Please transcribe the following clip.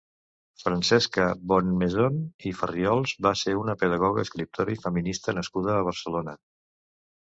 Francesca Bonnemaison i Farriols va ser una pedagoga, escriptora i feminista nascuda a Barcelona.